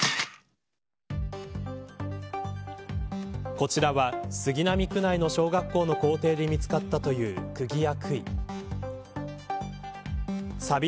こちらは杉並区内の小学校の校庭で見つかったというくぎや、くい。